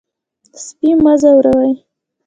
سپي مه ځوروئ.